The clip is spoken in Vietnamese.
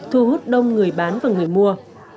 thu hút đông người bán và người mua